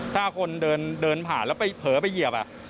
ถ้าคนเดินผ่านแล้วไปเผลอไปเหยียบ